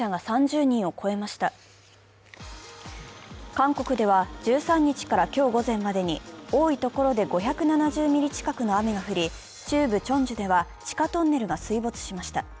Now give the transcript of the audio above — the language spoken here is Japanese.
韓国では１３日から今日午前までに多いところで５７０ミリ近くの雨が降り、中部チョンジュでは地下トンネルが水没しました。